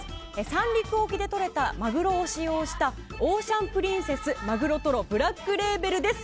三陸沖でとれたマグロを使用したオーシャンプリンセス鮪とろブラックレーベルです。